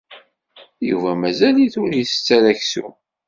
Yuba mazal-it ur isett ara aksum.